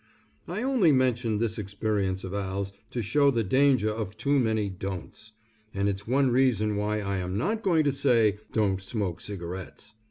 I only mentioned this experience of Al's, to show the danger of too many "Don'ts," and it's one reason why I am not going to say, "Don't smoke cigarettes."